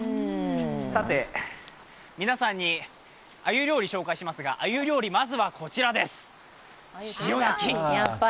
さて、皆さんにアユ料理を紹介しますが、アユ料理、まずはこちら、塩焼き。